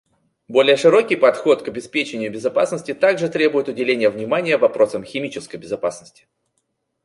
Более широкий подход к обеспечению безопасности также требует уделения внимания вопросам химической безопасности.